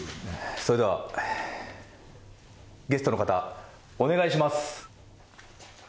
それではゲストの方お願いします。